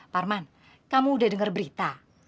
parman kamu udah dengar berita